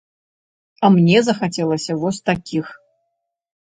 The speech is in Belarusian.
А мне захацелася вось такіх.